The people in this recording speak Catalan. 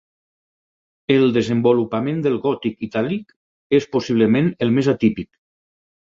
El desenvolupament del gòtic itàlic és possiblement el més atípic.